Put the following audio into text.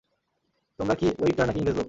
তোমরা কি ওয়েইটার নাকি ইংরেজ লোক?